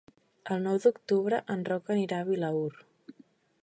El nou d'octubre en Roc anirà a Vilaür.